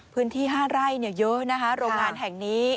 พื้นที่ห้าไร่เนี่ยเยอะนะฮะโรงงานแห่งนี้